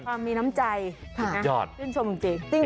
ความมีน้ำใจชื่นชมจริง